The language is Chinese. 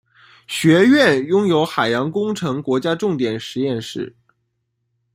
学院拥有海洋工程国家重点实验室。